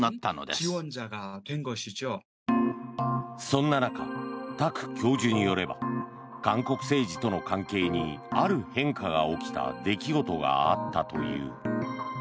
そんな中、タク教授によれば韓国政治との関係にある変化が起きた出来事があったという。